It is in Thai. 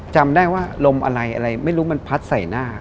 จำได้ว่าลมอะไรอะไรไม่รู้มันพัดใส่หน้า